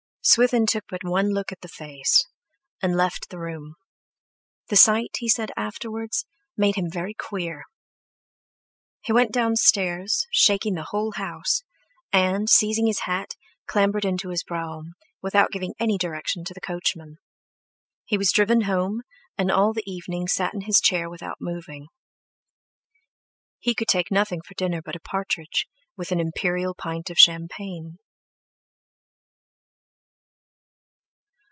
Swithin took but one look at the face, and left the room; the sight, he said afterwards, made him very queer. He went downstairs shaking the whole house, and, seizing his hat, clambered into his brougham, without giving any directions to the coachman. He was driven home, and all the evening sat in his chair without moving. He could take nothing for dinner but a partridge, with an imperial pint of champagne....